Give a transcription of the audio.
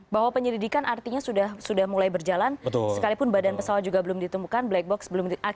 bahwa penyelidikan artinya sudah mulai berjalan sekalipun badan pesawat juga belum ditemukan black box belum ditemukan